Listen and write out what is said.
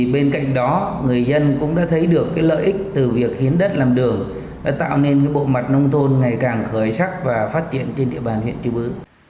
bên cạnh đó người dân cũng đã thấy được lợi ích từ việc hiến đất làm đường đã tạo nên bộ mặt nông thôn ngày càng khởi sắc và phát triển trên địa bàn huyện chư bứ